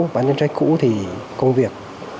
bán chân trách cũ thì công việc